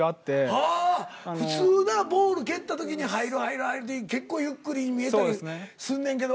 はあ普通なボール蹴った時に入る入る入るって結構ゆっくり見えたりすんねんけど。